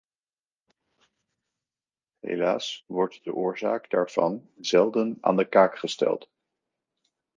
Helaas wordt de oorzaak daarvan zelden aan de kaak gesteld.